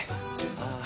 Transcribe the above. ああ。